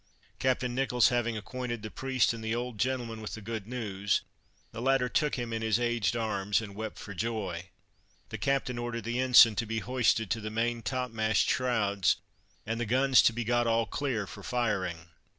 Captain Nicholls having acquainted the priest, and the old gentleman, with the good news, the latter took him in his aged arms, and wept for joy. The captain ordered the ensign to be hoisted to the main topmast shrouds, and the guns to be got all clear for firing.